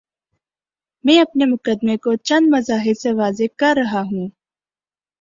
میں اپنے مقدمے کو چند مظاہر سے واضح کر رہا ہوں۔